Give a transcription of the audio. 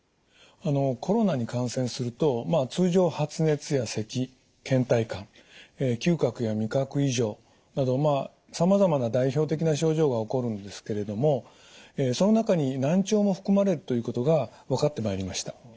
コロナに感染すると通常発熱やせきけん怠感嗅覚や味覚異常などさまざまな代表的な症状が起こるんですけれどもその中に難聴も含まれるということが分かってまいりました。